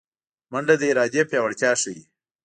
منډه د ارادې پیاوړتیا ښيي